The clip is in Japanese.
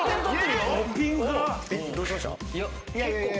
どうしました？